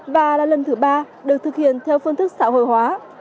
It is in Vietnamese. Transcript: và là lần thứ ba được thực hiện theo phương thức xã hội hóa